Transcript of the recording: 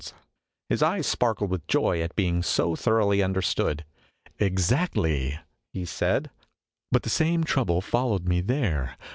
I3 2 IMAGINOTIONS His eyes sparkled with joy at being so thoroughly understood. " Exactly," he said. " But the same trouble followed me there.